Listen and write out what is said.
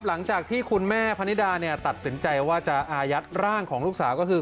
หลังจากที่คุณแม่พนิดาเนี่ยตัดสินใจว่าจะอายัดร่างของลูกสาวก็คือ